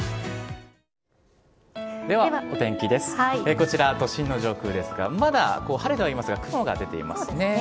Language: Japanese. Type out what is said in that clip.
こちら、都心の上空ですが、まだ晴れてはいますが、雲が出ていますね。